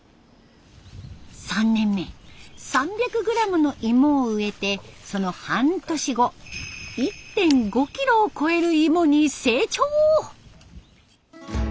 ３年目３００グラムの芋を植えてその半年後１．５キロを超える芋に成長。